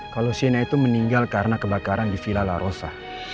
kalau sienna itu meninggal karena kebakaran di villa la rosa